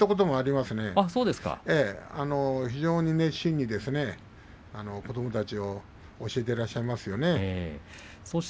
非常に熱心に子どもたちを教えていらっしゃいますよね。